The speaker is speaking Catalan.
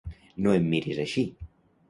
No em miris així!